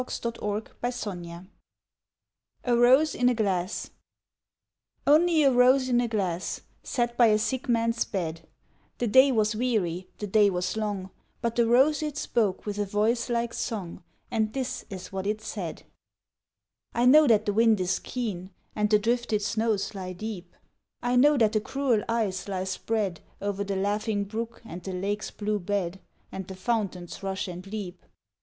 A ROSE IN A GLASS 83 A ROSE IN A GLASS ONLY a rose in a glass, Set by a sick man's bed ; The day was weary, the day was long, But the rose it spoke with a voice like song, And this is what it said :" I know that the wind is keen, And the drifted snows lie deep ; I know that the cruel ice lies spread O'er the laughing brook and the lake's blue bed, And the fountain's rush and leap.